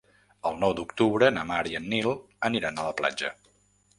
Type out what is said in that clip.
El nou d'octubre na Mar i en Nil aniran a la platja.